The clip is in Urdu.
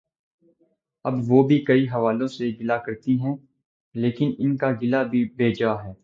اب وہ بھی کئی حوالوں سے گلہ کرتی ہیں لیکن ان کا گلہ بھی بے جا ہے۔